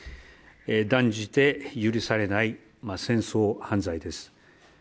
断じて許されない戦争犯罪です。